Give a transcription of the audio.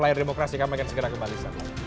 layar demokrasi kami akan segera kembali